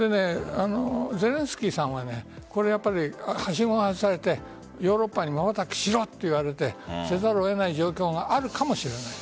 ゼレンスキーさんははしごを外されてヨーロッパにまばたきしろと言われてせざるを得ない状況があるかもしれない。